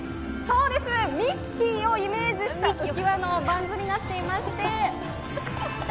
そうです、ミッキーをイメージした浮き輪のバンズになっています。